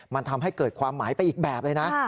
มันทำให้เกิดความหมายไปอีกแบบเลยนะ